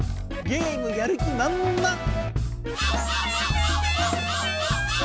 ゲームやる気まんまん。